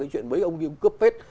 cái chuyện với ông cướp phết